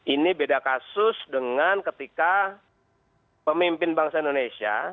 ini beda kasus dengan ketika pemimpin bangsa indonesia